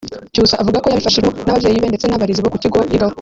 Cyusa avuga ko yabifashijwemo n’ababyeyi be ndetse n’abarezi bo ku kigo yigaho